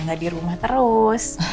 gak di rumah terus